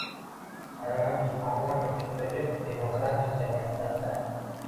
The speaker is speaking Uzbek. An’anaviy, parlament tipidagi demokratik jamiyatlarda